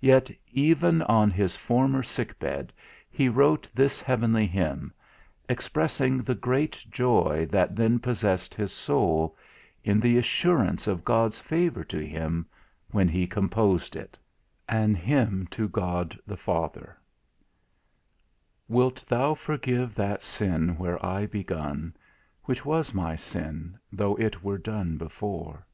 Yea, even on his former sick bed he wrote this heavenly hymn, expressing the great joy that then possessed his soul, in the assurance of God's favour to him when he composed it: "AN HYMN "TO GOD THE FATHER "Wilt Thou forgive that sin where I begun, Which was my sin, though it were done before?